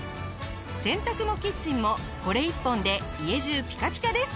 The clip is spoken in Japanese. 洗濯もキッチンもこれ一本で家中ピカピカです。